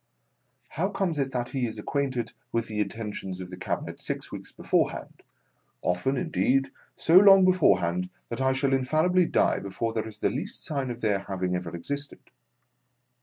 How comes it that he is ac quainted with the intentions of the Cabinet six weeks beforehand — often, indeed, so long beforehand that I shall infallibly die before there is the least sign of their having ever existed